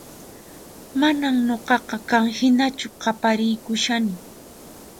Manan nuqaqa qan hinachu qapariykushani